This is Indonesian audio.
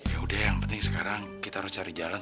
yaudah yang penting sekarang kita harus cari jalan